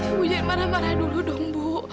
ibu jangan marah marah dulu dong bu